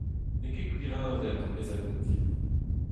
N'eo ket gwirheñvel ar pezh a gont dimp.